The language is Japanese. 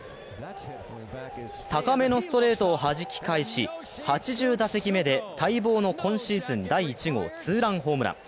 高めのストレートをはじき返し、８０打席目で待望の今シーズン第１号ツーランホームラン。